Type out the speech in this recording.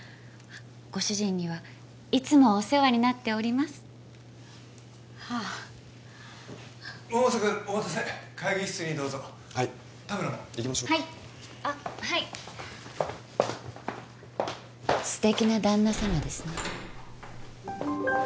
ご主人にはいつもお世話になっておりますはあ百瀬くんお待たせ会議室にどうぞはい行きましょう田村もはいあっはいステキな旦那様ですね